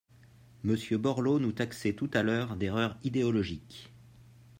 Monsieur Borloo nous taxait tout à l’heure d’erreur idéologique.